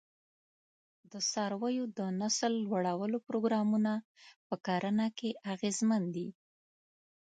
د څارویو د نسل لوړولو پروګرامونه په کرنه کې اغېزمن دي.